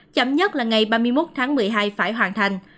chấm nhất là ngày ba mươi một tháng một mươi hai phải hoàn thành